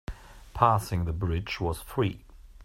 Passing the bridge was free.